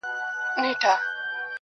خټي کوم.